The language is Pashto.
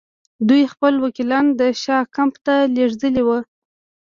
دوی خپل وکیلان د شاه کمپ ته لېږلي ول.